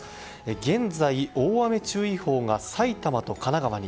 現在、大雨注意報が埼玉と神奈川に。